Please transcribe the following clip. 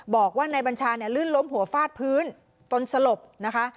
บอกว่านายบัญชาเนี่ยลื่นล้มหัวฟาดพื้นตนสลบนะคะ